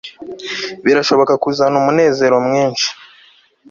birashobora kuzana umunezero mwinshi